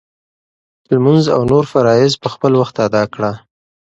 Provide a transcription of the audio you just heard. لمونځ او نور فرایض په خپل وخت ادا کړه.